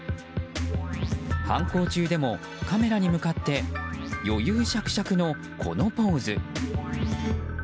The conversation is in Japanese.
犯行中でもカメラに向かって余裕綽々のこのポーズ。